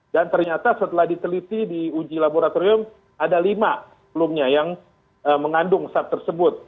dan ternyata setelah diteliti di uji laboratorium ada lima klumnya yang mengandung sat tersebut